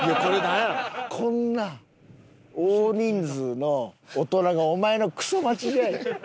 こんな大人数の大人がお前のクソ待ちじゃい。